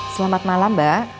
selamat malam mbak